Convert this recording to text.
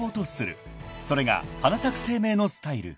［それがはなさく生命のスタイル］